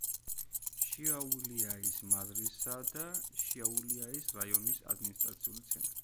შიაულიაის მაზრისა და შიაულიაის რაიონის ადმინისტრაციული ცენტრი.